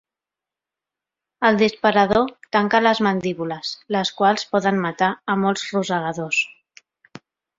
El disparador tanca les mandíbules, les quals poden matar a molts rosegadors.